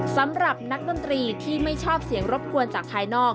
สำหรับนักดนตรีที่ไม่ชอบเสียงรบกวนจากภายนอก